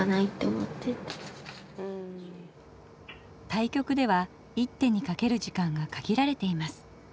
対局では一手にかける時間が限られています。